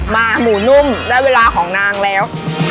หมูนุ่มได้เวลาของนางแล้ว